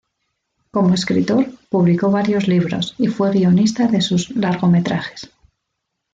Como escritor, publicó varios libros y fue guionista de sus largometrajes.